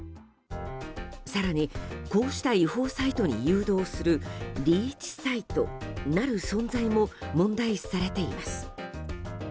更に、こうした違法サイトに誘導するリーチサイトなる存在も問題視されています。